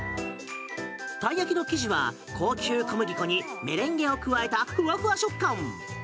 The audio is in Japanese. たい焼きの生地は高級小麦粉にメレンゲを加えたふわふわ食感！